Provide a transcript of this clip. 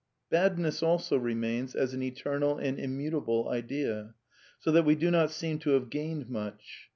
Badness also remains as an eternal and immutable Idea. So that we do not seem to have gained much.